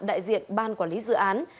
đại diện ban quản lý dự án